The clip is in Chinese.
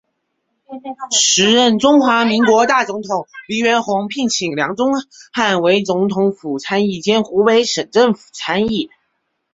时任中华民国大总统黎元洪聘请梁钟汉为总统府参议兼湖北省政府参议。